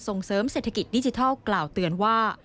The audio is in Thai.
ส่งเสริมเศรษฐกิจดิจิทัลกล่าวเตือนว่า